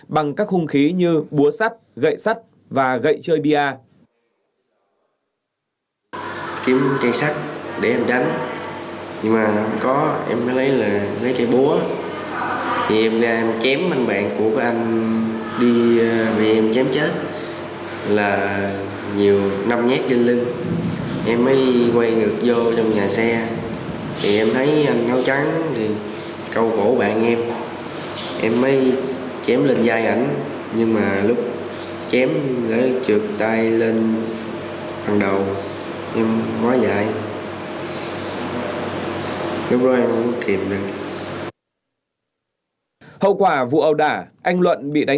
bằng các hung khí như búa sắt gậy sắt và gậy chơi bia